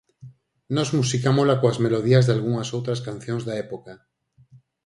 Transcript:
Nós musicámola coas melodías dalgunhas outras cancións da época.